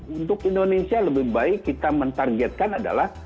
untuk indonesia lebih baik kita mentargetkan adalah